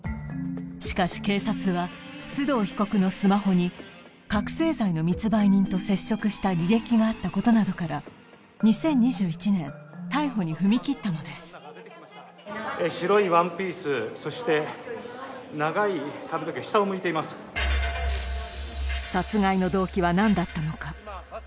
しかし警察は須藤被告のスマホに覚醒剤の密売人と接触した履歴があったことなどから２０２１年逮捕に踏み切ったのです殺害の動機は何だったのか？